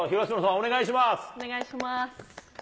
お願いします。